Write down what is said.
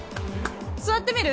座ってみる？